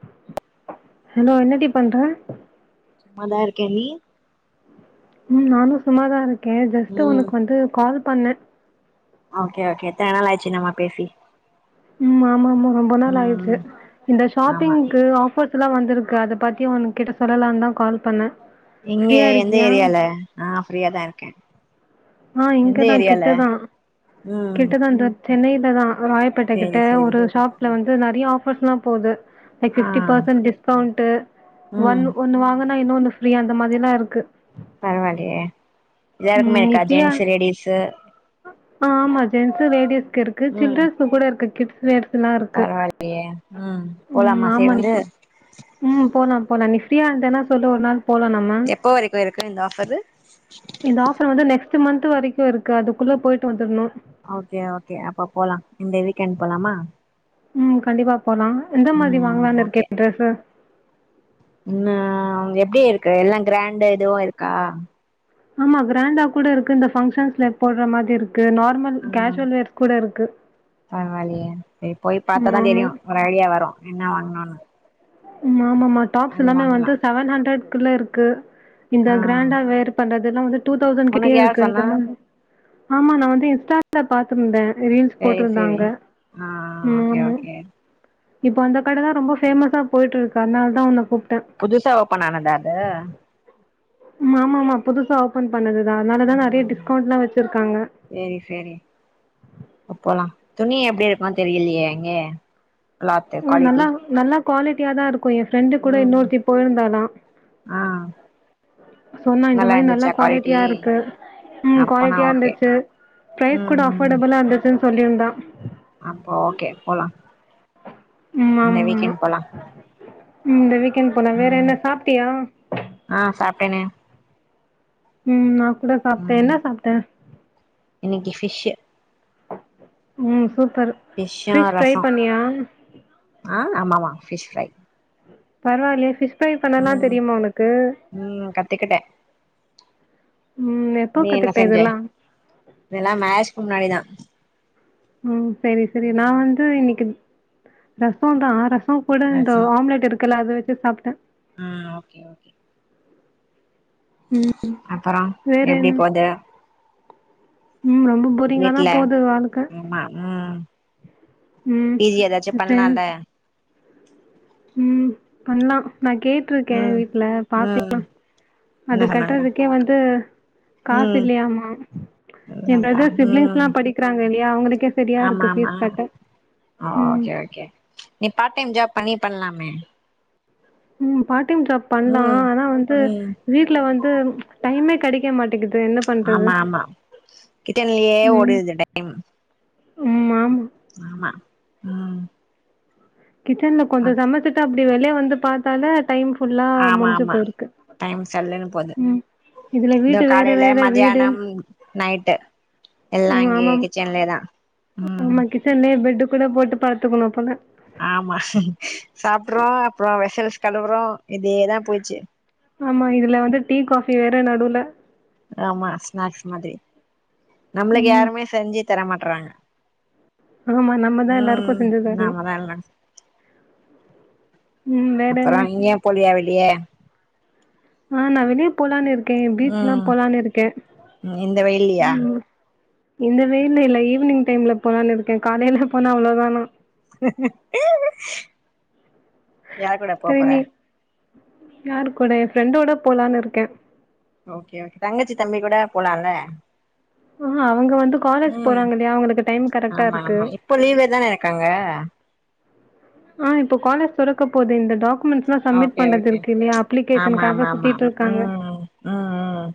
ஆஹ ஹலோ என்னடி பண்ற சும்மாதா இருக்கே நீ ம் நானு சும்மாதா இருக்கே ஜஸ்ட்டு ம் உனக்கு வந்து கால் பண்ண ஓகே ஓகே எத்தன நாள் ஆச்சு நம்ம பேசி ம் ஆமா ஆமா ரொம்ப நாள் ஆயிடுச்சு ம் இந்த ஆமா ஷாப்பிங்கு ஆஃபர் லா வந்திருக்கு அத பத்தி உன் கிட்ட சொல்லலாம்னு தா கால் பண்ண இங்க எந்த ஏரியால நா ஃப்ரீயாதா இருக்க ஆ இங்கதா கிட்டதா ம் கிட்டதா அந்த சென்னையில தா ராயப்பேட்டா கிட்ட சேரி சேரி ஒரு ஷாப்ல வந்து நெறைய ஆஃபர்ஸ்லா போது லைக் ஆ ஃபிப்டி பர்சன்ட் டிஸ்கவுண்டு ஒன் ம் ஒன்னு வாங்க ன இன்னொன்னு ஃப்ரீ அந்த மாரிலா இருக்கு பரவால்லையே எல்லாருக்குமே ம் நீ இருக்கா ஃப்ரீயா ஜென்ஸ்சு லேடிஸ்சு ஆ ஆமா ஜென்ஸ்சு லேடிஸ்கு இருக்கு ம் சில்ட்ரன்ஸ் கூட இருக்கு கிட்ஸ் ப்ளேர்லா இருக்கு பரவாயில்லயே ம் போலாமா ம் ஆமா டி சேர்ந்து ம் போலா போலா நீ ஃப்ரீயா இருந்தேன்னா சொல்லு ஒரு நாள் போலா நா எப்போ வரைக்கு இருக்கு இந்த ஆஃபரு இந்த ஆஃபர் வந்து நெக்ஸ்ட் மந்த் வரைக்கு இருக்கு அதுக்குள்ள போயிட்டு வந்துட்ணு ஓகே ஓகே அப்ப போலா இந்த வீக்கெண்ட் போலாமா ம் கண்டிப்பா போகலா எந்த மாரி ம் வாங்கலான்னு ஓகே இருக்க டிரெஸ்சு ம் நா எப்டி இருக்கு எல்லா கிராண்ட எதுவு இருக்கா ஆமா கிராண்டா கூட இருக்கு இந்த பங்க்ஷன்ஸ்ல போட்றா மாதி இருக்கு நார் ஆமா ம் கேஷுவல் வேர்ஸ் கூட இருக்கு பரவாயில்லையே சரி போய் ம் பாத்தாதா ஆமா தெரியு ஒரு ஐடியா வரு என்ன வாங்லான்னு ம் ஆம் ஆமா டாப்ஸ் எல்லாமே வாங்கலா வந்து செவன் ஹண்ட்ரட்குள்ள இருக்கு இந்த ஆ கிராண்டா வேர் பண்றதுல்லா வந்து டூ தௌசண்ட் உனக்கு கிட்டயே யார் இருக்கு சொன்னா இதல்ல வந் ஆமா நா வந்து இன்ஸ்டால டால பாத்திருந்த ரீல்ஸ் சரி சரி போட்டிருந்தாங்க ஆ ம் ஓகே ஆமா ஓகே இப்ப அந்த கடதா ரொம்ப ஃபேமஸ்ஸா போயிட்டு இருக்கு அதனால தா உன்ன கூப்டே புதுசா ஓப்பன் ஆனதா அது ஆமாமா புதுசா ஓப்பன் பண்ணதுதா அதனாலதா நெறையா ம் டிஸ்கவுண்ட்ல்லா வெச்சுருக்காங்க சேரி சேரி அப்போலா துணி எப்டி எடுக்கனுனு தெரிலயே அங்கே ம் நல்லா நல்லா குவாலிட்டியாதா இருக்கு என் ஃப்ரெண்டு கூட ம் இன்னொருத்தி போயிருந்தாலா ஆ சொன்னா இந்த மாரி நல்லா இருந்துச்சா குவாலிட்டி குவாலிட்டியா இருக்கு ம் அப்பனா குவாலிட்டியா ஓகே இருந்துச்சு ப்ரைஸ் கூட ம் ம் அஃபோர்டபுளா இருந்தசுன் சொல்லிருந்தா அப்போ ஓகே போலா ம் இந்த ஆமா ஆமா வீக்கெண்ட் போலா ம் இந்த வீக்கெண்ட் போனா வேற ம் என்ன சாப்ட்டியா ஆ சாப்ட்டேனே ம் நா கூட சாப்ட்ட ம் என்ன சாப்ட்ட இன்னைக்கு ஃபிஷ்ஷு ம் சூப்பர் ஃபிஷ்ஷு ஃபிஷ் ஃப்ரை ரசோ பண்ணியா ஆ ஆமாமா ஃபிஷ் ஃப்ரை பரவாலயே ஃபிஷ் ஃப்ரை பண்ணல்லா ம் தெரியுமா உனக்கு ம் கத்துக்கிட்டே ம் எப்போ நீ என்ன கத்துகிட்ட செஞ்ச இதெல்லா இதெல்லா மேரேஜ்க்கு முன்னாடிதா ம் செரி செரி நா ம் வந்து இன்னிக்கு ரசோந்தா ரசோ கூட அது இந்த சரி. ஆம்லெட் இருக்கல்ல அத வெச்சு சாப்ட்ட ம் ஓகே ஓகே ம் அப்றோ வேற எப்டி என்ன போது? ம் ரொம்ப போரிங்காதா வீட்ல போது வாழ்க்க ஆமா ம் ம் பி ஜி ஏதாச்சு ஃப்ரெண் பண்லால்ல ம் பண்லா நா கேட்ருக்கே ம் வீட்ல ம் பாக்லா என்ன அது சொன்னாங்க கட்டறதுக்கே வந்து காசு ம் இல்லையாமா என் நல்லதா ப்ரதர் ம் சிப்லிங்ஸ்ல்லா படிக்கறாங்க இல்லையா அவுங்களுக்கே சரியா இருக்கு ஃபீஸ் கட்ட ஆ ம் ஓகே ஓகே நீ பாட் டைம் ஜாப் பண்ணி பண்லாமே ம் பாட் டைம் ஜாப் பண்லா ம் ஆனா வந்து ம் வீட்ல வந்து டைமே கெடைக்க மாட்டீகுது என்ன பண்ணுறது ஆமாமா கிட்டன்லயே ம் ஓடுது இந்த டைம் ம் மாம் ஆமா ம் கிச்சன்ல கொஞ்சோ சமச்சுட்டு அப்டி வெளிய வந்து பாத்தாலே ஆமாமா டைம் சல்லுனு போது ம் இதில் இதோ வீடு வேறு காலைல வேறு வீடு மதியானம் நைட்டு எல்லா ம் அங்யே ஆமாம் கிச்சன்லயேதா ம் ஆமா கிச்சன்லயே பெட்டு் கூட போட்டு பாத்துக்கணு போல ஆமா சாப்ட்றோ அப்றோ வெசல்ஸ் கழுவுறோ இதேதா போச்சு ஆமா இதுல வந்து டீ காஃபி வேற நடுவுல ஆமா ஸ்நாக்ஸ் மாதிரி நம்ளுக்கு ம் யாருமே செஞ்சு தரமாட்றாங்க ஆமா நம்மதான் ம் எல்லாருக்கும் செஞ்சு தரணும் நாமதா எல்லா ம் வேற அப்பறோ என்ன நீங்க ஏன் போலியா வெளிய ஆ நா வெளிய போலான் இருக்கேன் பீச் எல்லா ம் போலானு இருக்கேன் இந்த வெயில்லயா ம் இந்த வெயில்ல இல்ல ஈவ்னிங் டைம்ல போலான்னிருக்கெ காலைல போனா அவ்ளோதா நா யார் கூட போ சரி போற நீ யாரு கூட எ ஃப்ரண்டோட போலானிருக்க ஓகே ஓகே தங்கச்சி தம்பி கூட போலால ஆஹா அவங்க வந்து காலேஜ் போறாங்கல்லையா அவங்களுக்கு டைம் கரெட்டா இருக்கு இப்போ லீவ்ல தான இருக்காங்க ஆ இப்போ காலேஜ் தொறக்க போது இந்த டாக்குமெண்ஸ் ஓகே ஓகே ஆமா ஆமா ஆமா சுத்திட்டு இருக்காங்க உம் உம்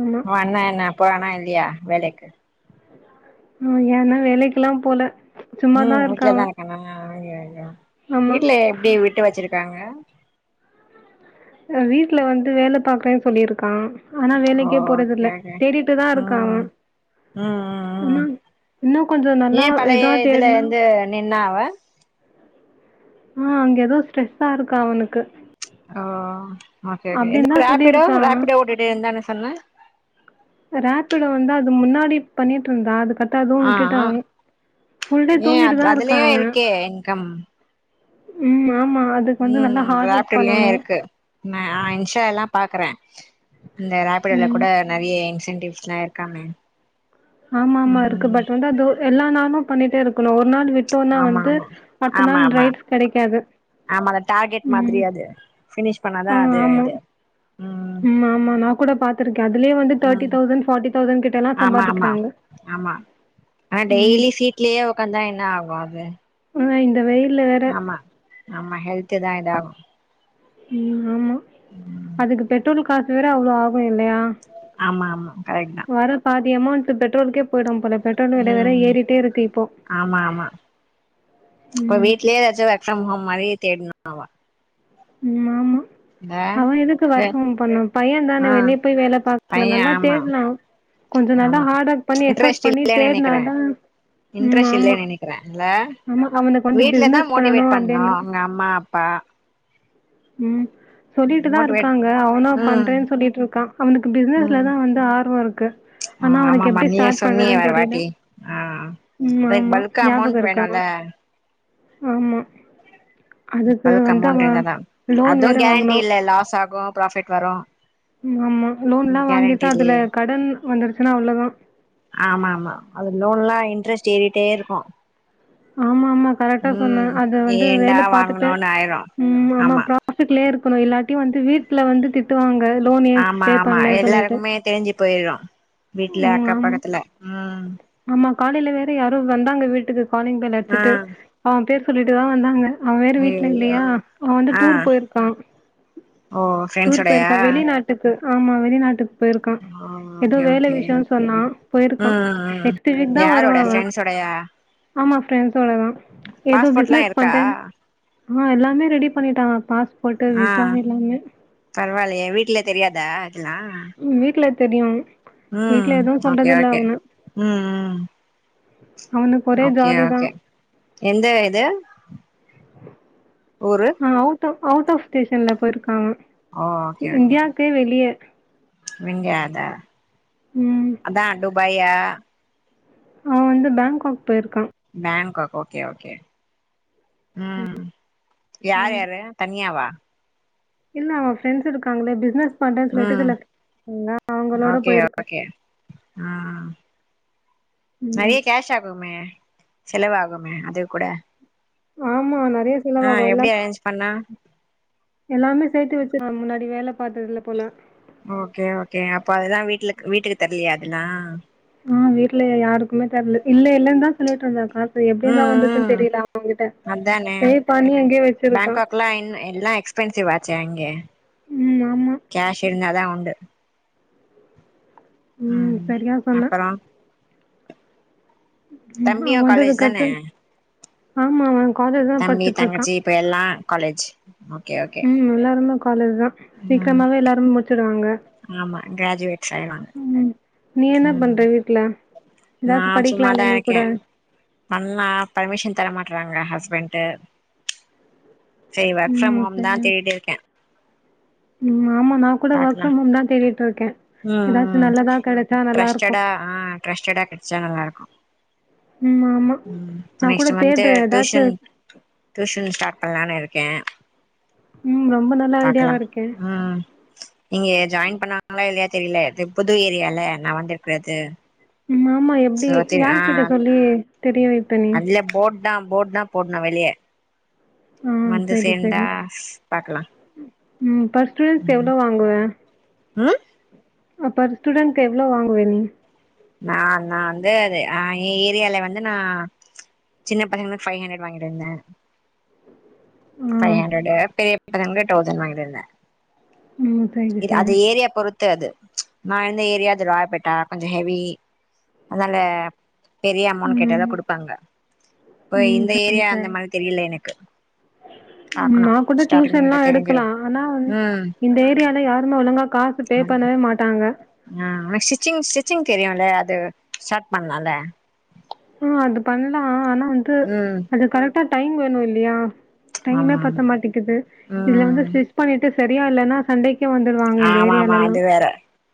ஆமா உ அண்ண என்ன போரானா இல்லயா வேலக்கு ம் எ அண்ண வேலக்கல்லா போல சும்மாதா உம் இருக்கா அவ வீட்லதா இருக்கானா ஆமா வீட்ல எப்டி விட்டு வச்சிருக்காங்க வீட்டுல வந்து வேல பாக்குறேன் சொல்லிருக்கா ஆனா ஓ வேலக்கே போறதில்ல ஓகே ஓகே தேடிட்டுதா இருக்கா அவ ம் ம் இன்னோ கொஞ்ச நல்லா இ்தா தேட்னா நின்னாவ ம் அங்க ஏதோ ஸ்ட்ரெஸ்ஸா ருக்கா அவளுக்கு ஓ ஓகே ஓகே தா எங்க ராபிடோ சொல்லியிருக்கா ராபிடோ ஒட்டிட்டே இருந்தான்னு சொன்ன ராபிடோ வந்து அது முன்னாடி பண்ணிட்ருந்தா அது கட் ப்ப அதுவு ஆ விட்டுட்டா ஆ அவ புல் டே தூங்கிட்டு தா இருக்கா அவெ ஏகம் ம் ஆமா அதுக்கு வந்து நல்லா ம் ஹார்ட் ஒர்க் ராப்டர்லயு பண்ணணு இருக்கு நா இன்ஸ்டாலா பாக்குற இந்த ராபிடோ ல கூட ம் நெறைய இன்சென்டிவ்ஸ் எல்லா இருக்காங்க ஆமா ஆமா இருக்கு பட் வந்து அதோ எல்லா நாளு பண்ணிட்டே இருக்கணு ஒரு நாள் விட் டோனா ஆமா வந்து ஆமா பத்த நாள் ரைட்ஸ் கெடைக்காது ஆமால டார்கெட் மாதிரி ம். அது ஃபினிஷ் பண்ணாதா அது இது ம் மாமா நா கூட பாத் துருக்க அதுலயே வந்து தேட்டி ம் தௌசண் ஃபாட்டி தௌசண் கிட்டல்லா சாம்பாதிக்றாங்க ஆமா ஆ டெய்லி சீட்லேயே உக்காந்தா என்ன ஆகு அது அ இந்த வெய்ல் ஆமா ஆமா ஹெல்த்து தா இதாகு உம் ஆமா ம் அதுக்கு பெட்ரோல் காசு வேற அவ்ளோ ஆகு இல்லையா ஆமா ஆமா கரெட் தா வர பாதி அமௌண்ட் பெட்ரோல்க்கே போயிடும் போல பெட்ரோல் வெல வேற ம் ஏறிட்டே இருக்கு இப்போ அப்ப ம். வீட்லயே எதாச்சு ஒர்க் ஃப்ரம் ஹோம் மாரி தேட்னு அவ ம் ஆமா அவ எதுக்கு இல்ல ஒர்க் ஹோம் பண்ணோ பைய ஆ தான வெளியே போய் வேல பாக்குனு பைய நல்லா ஆமா தேட்னு கொஞ்ச நல்லா ஆமா ஹார்ட் ஒர்க் பண்ணி எஃபட் இன்ட்ரெஸ்ட் பண்ணி இல்லன்னு நெனைக்கிறே தேட்னாதா உம் இன்ட்ரெஸ்ட் ஆமா இல்லன்னு நெனைக்கிறே இல்ல ஆமா அவனுக்கு வந்து பிசனஸ் பண்ணணு அப்டின்ன ம்மா ப்பா ம் சொல்லிட்டு தா மோட்டிவேட் இருக்காங்க அவதா ம் பண்றேன் சொல்லிட்ருக்கா அவனுக்கு ம் பிசினஸ்லதா வந்து ஆர்வ இருக்கு ஆனா அவனுக்கு ஆமாமா எப்டி நீயே ஸ்டாட் சொன்னியே பண்றதுன்னு ஒரு தெரில வாட்டி ஆ ம் அதுக்கு ஆமா பல்க் ஞாபக அமௌண்ட் இருக்கா வேணுல்ல ஆமா அதுக்கு வந்து அவா அ அதுவு கேரண்டி இல்ல லாஸ் ஆகு ப்ராஃபிட் வரு ம் ஆமா லோன்லா கேரண்டி வாங்கிட்டா அதுல இல்லயே கடன் வந்துருச்சின்னா அவ்ளதா ஆமா ஆமா அது லோன்லா இன்ட்ரெஸ்ட் ஏறிட்டே இருக்கு ஆமா ஆமா கரெக்டா சொன்ன ம் அது வந்து ஏன்டா வேல பாத்துட்டு வாங்கணுன்னு ஆயிரு ம் ஆமா ப்ரா ஆபீஸ்லே இருக்கணு இல்லாட்டி வந்து வீட்ல வந்து திட்டுவாங்க லோன் ஏ பே பண்ணலன்னு சொல்லிட்டு போய்டுரா வீட்ல ம் அக்க ஆமா பக்கத்துல ம் ஆமா காலேல வேற யாரோ வந்தாங்க வீட்டுக்கு காலிங் பெல் ஆ அடிச்சிட்டு அவ பேர் சொல்லிட்டுதா வந்தாங்க அவ வேற வீட்ல ஐயையோ இல்லயா அவ வந்து ஆ டூர் போயிருக்கா ஓ ஃப்ரெண்ட்ஸ் ஓடயா திக்கு ஆமா வெளிநாட்டுக்கு போயிருக்கா ஏதோ ஓகே வேல ஓகே விஷயன்னு சொன்னா போயிருக்கா ம் ம் திடீர்னு தா வருவா யாரோட அவ ஃப்ரெண்ட்ஸோடயா ஆமா ஃரெண்ட்ஸோட தா ஏதோ பாஸ்போர்ட்லா பிசினஸ் இருக்கா பண்றேன்னு ஆ எல்லாமே ரெடி பண்ணிட்டான பாஸ்போர்ட் விசா எல்லாமே பரவாயில்லையே வீட்டல தெரியாதா அதுலா உ வீட்ல தெரியு ம் ஓகே ஓகே ம் ம் அவனுக்கு ஒரே ஓகே ஜாலி தான். ஓகே எந்த இது ஒரு ஆ அவுட் ஆ அவுட் ஆஃப் ஸ்டேஷன்ல போயிருக்காங்க ஓ இந்தியாவுக்கே வெளிய விங்காத ம் அதா டூபாயா அவ வந்து பேங்காக் போயிருக்கா பேங்காக் ஓகே ஓகே ம் யார் ஆமா. யாரு தன்னியாவா இல்ல அவங்க ஃப்ரெண்ட்ஸ் இருக்காங்களே பிசினஸ் பண்றன்னு சொல்லிட்டு ம் சில [inaudible] அவங்களோட போயிருக்கா ஆ ம். நறைய கேஷ் ஆகுமே செலவாகுமே அது கூட ஆமா நறைய ஆ செலவாகு எப்டி எல்லம் அரேஞ்ச் பண்ணா எல்லாமே சேர்த்து வச்சுரா முன்னாடி வேல பாத்ததுல போல ஓகே ஓகே அப்போ அததுல்லா வீட்டுல வீட்டுக்கு தரலயா அதல்லா ஆ வீட்ல யாருக்குமே தர்ல இல்ல இல்லலைன்னு தா சொல்லிட்டு இருந்தாக்கா அது எப்டினு தா ம் வந்துருச்சுன்னு ம் தெரில அவ அவங்ககிட்ட சேவ் பண்ணி எங்கயே வச்சிருக்கா எல்லான்னு எல்லா எக்ஸ்பென்சிவ் ஆச்சே அங்க ம் ஆமா கேஷ் இருந்தாதா உண்டு ம் சரியா சொன்ன அப்பறோ தம்பியு அவந்து காலேஜ் தானே காத்து ஆமா மேம் அம் தம்பி தங்கச்சி இப்ப எல்லா காலேஜி ம் எல்லாருமே காலேஜ் தா ம் சீக்கிரமாவே எல்லாருமே முடிச்சுடுவாங்க ஆமா கிராஜுவேட்ஸ் சாயிலா நீ என்ன பண்ற வீட்ல நா ஏதாச்சு படிக்கலாம்ல சும்மாதா நீ கூட இருக்கே பண்லா பர்மிஷன் தர மாட்டறாங்க ஹஸ்பண்ட் சேரி ஒர்க் ஃப்ரம் ம் ஹோம் தா சரி தேடிருக்க ம் ஆமா நா கூட ஒர்க் பாக்கலா ஃப்ரம் ஹோ தா தேடிட்டு இருக்க ம் ஏதாச்சு ம் நல்லதா கெடைச்சா நல்லா இருக்கு ட்ரஸ்டடா ஆ க்ரஸ்டடாக் கெடச்சா நல்லாருக்கோ ம் ஆமா ம் நா கூட நெக்ஸ்ட்டு மந்த்து தேடுறே ஏதாச்சு டியூஷன் டியூஷன் ஸ்டார்ட் பண்ணலானு இருக்கே ம் ரொம்ப நல்ல பாக்கலா ஐடியாவா இருக்கே ம் இங்க ஜாயின் பண்ணாங்களா இல்லையா தெரியுல இது புது ஏரியால நா வந்துருக்கறது ஆமா எப்டி யாருகிட்ட சொல்லி தெரிய வெ அதுல போர்ட்தா போர்ட்தா போட்னோ வெளியே ஆ வந்து சரி சரி சேந்தா பாக்கலா ம் பஸ்ட் ஃபீஸ் ம் எவ்ளோ வாங்குவே ம் அப்ப ஒரு ஸ்டூண்ட்க்கு எவ்ளோ வாங்குவ நீ நா நா வந்து அது எ ஏரியால வந்து நா சின்ன பசங்களுக்கு ஃபை ஹண்டரட் வாங்கிருந்த ஃபை ஆ ஹண்ட்ரடு பெரிய பசங்களுக்கு தௌசண் வாங்கி இருந்தே ம் சரி இது அது சரி ஏரியா பொறுத் க்காது நா இந்த ஏரியா அது ராயபேட்டா கொஞ்சோ ஹெவி அதனால பெரிய அமௌண்ட் கேட்டாதா ம் குடுப்பாங்க இப்ப ம் இந்த ஏரியா அந்த மாதிரி தெரியுல எனக்கு ம் பாக்கணு நா கூட டியூஷன்லா ஸ்டார்டிங்ல தெரிஞ்சிரு எடுக்கலா ஆனா வந் ம் இந்த ஏரியால யாருமே ஒழுங்கா காசு பே பண்ணவே மாட்டாங்க ஆ உனக்கு ஸ்டிச்சிங் ஸ்டிச்சிங் தெரியுல அது ஸ்டார்ட் பண்லால ஆ அது பண்லா ஆனா வந்து ம் அது கரட்டா டைம் வேணோ இல்லயா டைமே ஆமா பத்த ஆமா மாட்டிக்குது இதுல வந்து ம் ஸ்டிச் பண்ணிட்டு சரியா இல்லன்னா சண்டைக் கு வந்துருவாங்க இந்த ஆமா ஆமா ஏரியாலலா அது வேற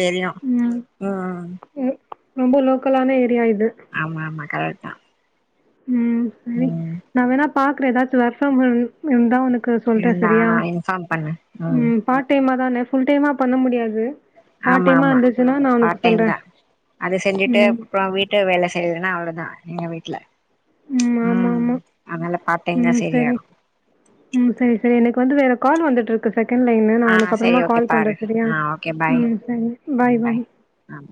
தெரியு ம் ம் ம் ரொம்போ லோக்கலான ஏரியா இது ஆமா ஆமா கரட்தா ம் சரி நா வேணா பாக்குறே ஏதாச்சு வொர்க் ஃப்ரம் ஹோம் இருந்தா உனக் கு சொல்றே இருந்தா சரியா இன்ஃபார்ம் பண்ணு ம் பார்ட் டைமா தானே ஃபுல் டைமா பண்ண முடியாது பார்ட் ஆமா டைமா ஆமா இருந்துச்சுன்னா நான் உனக்கு பார்ட் டைம்தா சொல்றேன். அது செஞ்சிட்டு ம். அப்புறோ வீட் டு வேலை செய்றதுன்னா அவ்ளவுதா எங்க வீட்ல ஆமா ம் ஆமா அதனால பார்ட் டைம்தா ம் சரியா சரி இர்க்கோ ம் செரி செரி எனக்கு வந்து வேற கால் வந்துட்டு இருக்கு எனக்கு செகண்ட் லைன்ல நா ஆ உனக்கு சரி அப்பறமா ஓகே கால் பண்றே பாரு சரியா ஆ ம் சரி பாய் பாய் ஆம்